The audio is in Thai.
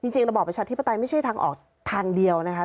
ระบอบประชาธิปไตยไม่ใช่ทางออกทางเดียวนะคะ